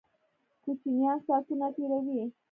کوچینان ساتونه تیروي